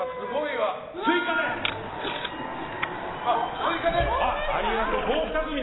追加で？